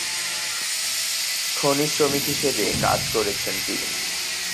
খনি শ্রমিক হিসেবে কাজ করেছেন তিনি।